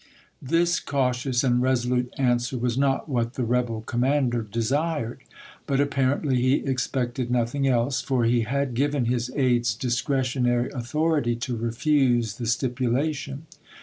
"74. " This cautious and resolute answer was not what the rebel commander desired; but apparently he expected nothing else, for he had given his aides discretionary authority to refuse the stipulation.